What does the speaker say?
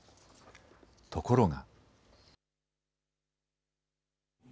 ところが。